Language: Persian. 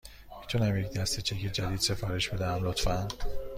می تونم یک دسته چک جدید سفارش بدهم، لطفاً؟